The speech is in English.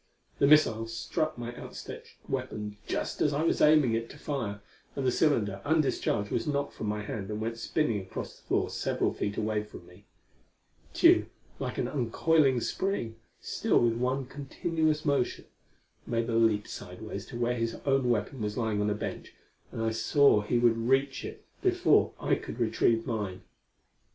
The missile struck my outstretched weapon just as I was aiming it to fire, and the cylinder, undischarged, was knocked from my hand and went spinning across the floor several feet away from me. Tugh, like an uncoiling spring, still with one continuous motion, made a leap sidewise to where his own weapon was lying on a bench, and I saw he would reach it before I could retrieve mine.